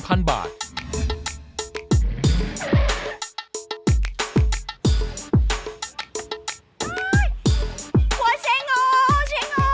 กลัวเชงโงเชงโง